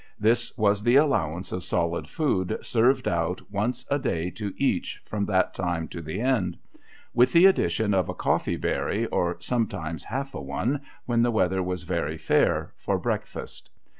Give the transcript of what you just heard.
This was the allowance of solid K I30 THE WRFXK OF THP: GOLDEN MARY footl served out once a tlay to each, from that time to the end ; with the addition of a conee herry, or sometimes half a one, when the weather was very fair, for breakfast.